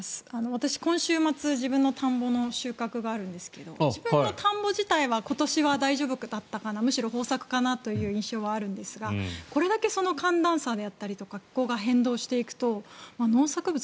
私、今週末自分の田んぼの収穫があるんですけど自分の田んぼ自体は今年は大丈夫だったかなむしろ豊作かなという印象はあるんですがこれだけ寒暖差とか気候が変動していくと農作物